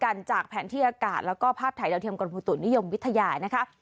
การจากแผนที่อากาศแล้วก็ภาพไทยแลิวกับกรณฑุตุนิยมวิทยายนะคะ